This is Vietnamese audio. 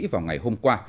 vào ngày hôm qua